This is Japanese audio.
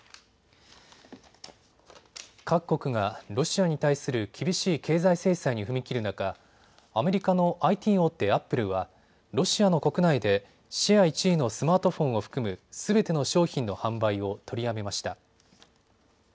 各国がロシアに対する厳しい経済制裁に踏み切る中、アメリカのＩＴ大手、アップルはロシアの国内でシェア１位のスマートフォンを含むすべての商品の販売を取りやめました。